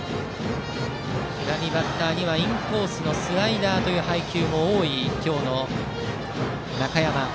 左バッターにはインコースのスライダーという配球も多い今日の中山。